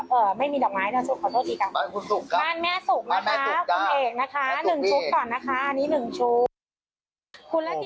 อันนี้๑ชุด